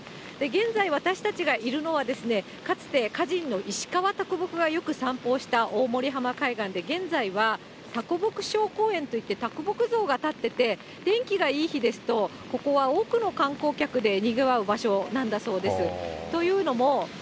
現在、私たちがいるのは、かつて歌人の石川啄木がよく散歩したおおもりはま海岸で現在は啄木しょうこうえんといって啄木像がたってて、天気がいい日ですと、ここは多くの観光客でにぎわう場所なんだそうです。